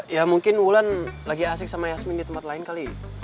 ya mungkin wulan lagi asik sama yasmin di tempat lain kali